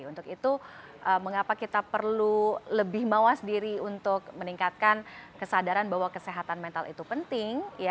untuk itu mengapa kita perlu lebih mawas diri untuk meningkatkan kesadaran bahwa kesehatan mental itu penting